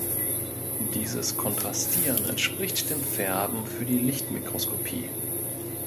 Dieses Kontrastieren entspricht dem Färben für die Lichtmikroskopie.